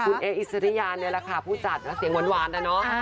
คุณเออิสริยานี่แหละค่ะผู้จัดเสียงหวานนะเนาะ